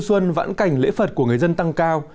xuân vãn cảnh lễ phật của người dân tăng cao